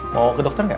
mau ke dokter gak